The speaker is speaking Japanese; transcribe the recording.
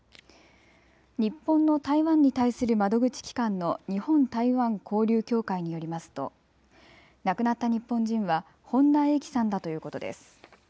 日本の台湾に対する窓口機関の日本台湾交流協会によりますと亡くなった日本人は本田英希さんだということです。